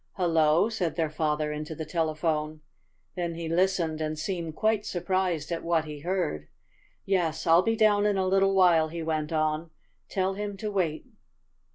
"Hello!" said their father into the telephone. Then he listened, and seemed quite surprised at what he heard. "Yes, I'll be down in a little while," he went on. "Tell him to wait."